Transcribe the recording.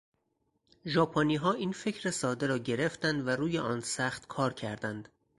ژاپنیها این فکر ساده را گرفتند و روی آن سخت کار کردند.